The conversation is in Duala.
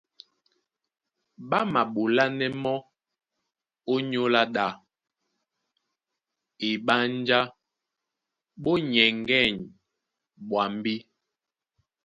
Ɓá maɓolánɛ́ mɔ́ ónyólá ɗā, eɓánjá ɓó nyɛŋgɛ̂ny ɓwambí.